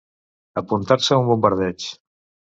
Apuntar-se a un bombardeig.